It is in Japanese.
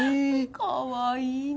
かわいいね。